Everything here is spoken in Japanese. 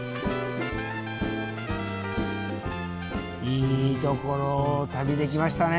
いい所を旅できましたね。